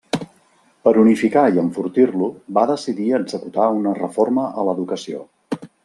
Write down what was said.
Per unificar i enfortir-lo, va decidir executar una reforma a l'educació.